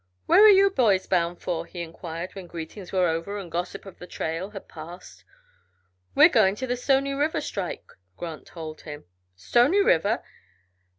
"Where are you boys bound for?" he inquired when greetings were over and gossip of the trail had passed. "We're going to the Stony River strike," Grant told him. "Stony River?